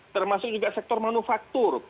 termasuk juga sektor manufaktur